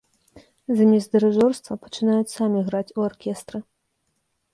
Замест дырыжорства пачынаюць самі граць у аркестры.